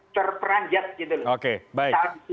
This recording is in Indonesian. terperanjat gitu loh